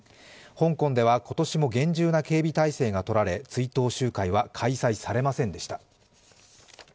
香港では、今年も厳重な警備態勢がとられ、追悼集会は開催されませんでした。